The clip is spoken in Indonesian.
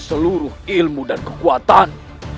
seluruh ilmu dan kekuatan